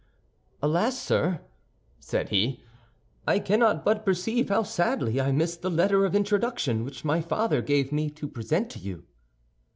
"Alas, sir," said he, "I cannot but perceive how sadly I miss the letter of introduction which my father gave me to present to you."